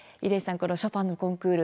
このショパンコンクール